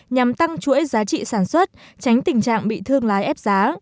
nhằm tăng chuỗi giá trị sản xuất tránh tình trạng bị thương lái ép giá